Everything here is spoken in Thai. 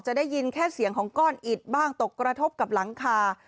ได้ยินแค่เสียงของก้อนอิดบ้างตกกระทบกับหลังคา